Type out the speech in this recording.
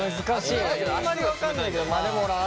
あんまり分かんないけど。